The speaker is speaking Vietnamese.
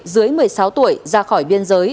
dưới một mươi sáu tuổi ra khỏi biên giới